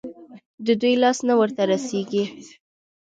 د دوى لاس نه ورته رسېږي.